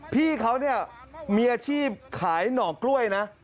พี่เขาเนี่ยมีอาชีพขายหน่อกล้วยนะ